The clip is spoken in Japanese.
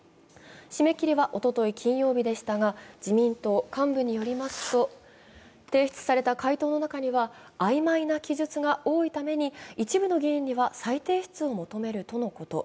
締め切りはおととい金曜日でしたが、自民党幹部によりますと、提出された回答の中にはあいまいな記述が多いために一部の議員には再提出を求めるとのこと。